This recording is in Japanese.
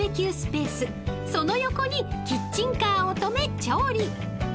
［その横にキッチンカーを止め調理］